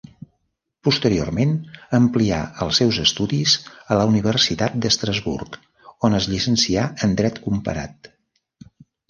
Posteriorment amplià els seus estudis a la Universitat d'Estrasburg, on es llicencià en Dret comparat.